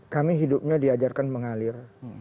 kami hidupnya diajarkan mengalir